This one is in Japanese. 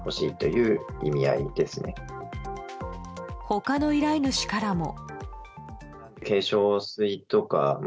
他の依頼主からも。